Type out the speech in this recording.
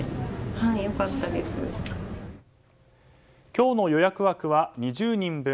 今日の予約枠は２０人分。